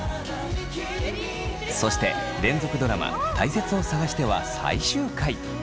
そして連続ドラマ「たいせつを探して」は最終回。